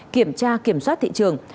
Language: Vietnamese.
kiểm tra kiểm soát thị trường